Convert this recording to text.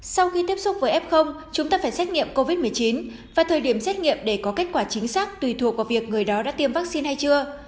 sau khi tiếp xúc với f chúng ta phải xét nghiệm covid một mươi chín và thời điểm xét nghiệm để có kết quả chính xác tùy thuộc vào việc người đó đã tiêm vaccine hay chưa